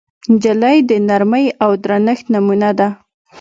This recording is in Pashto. نجلۍ د نرمۍ او درنښت نمونه ده.